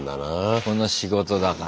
この仕事だから。